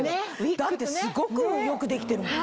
だってすごくよくできてるもん。